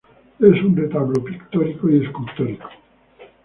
Es un retablo pictórico y escultórico.